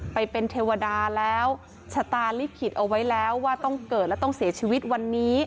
ไปเป็นเทวดาแล้วชะตาลิขิตเอาไว้แล้วว่าต้องเกิดและต้องเสียชีวิตวันนี้